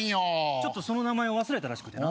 ちょっとその名前を忘れたらしくてな。